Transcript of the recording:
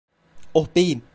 Oh beyim…